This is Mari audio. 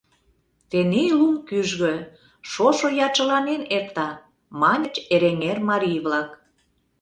— Тений лум кӱжгӧ, шошо ячыланен эрта, — маньыч Эреҥер марий-влак.